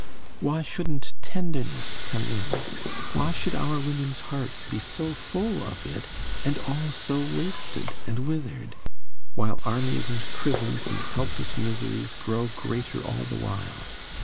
Why shouldn't tenderness come in? Why should our woman's hearts be so full of it, and all so wasted and withered, while armies and prisons and helpless miseries grow greater all the while?